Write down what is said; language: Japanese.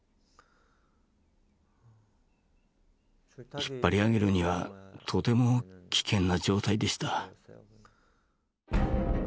引っ張り上げるにはとても危険な状態でした。